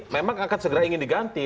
memang akan segera ingin diganti